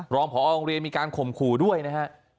รองผอโรงเรียนมีการข่มขู่ด้วยนะครับ